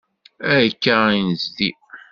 Akka i d-nezdi.